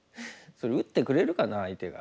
それ打ってくれるかな相手が。